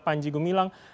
jurat banji gumilang